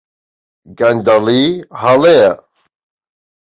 گەندەڵی هەڵەیە.